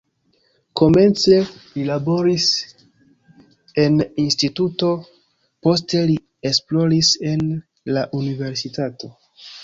Komence li laboris en instituto, poste li esploris en la universitato.